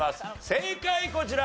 正解こちら。